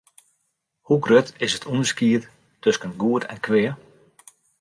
Hoe grut is it ûnderskied tusken goed en kwea?